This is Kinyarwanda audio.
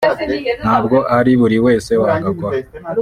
ntabwo ari buri wese wagakora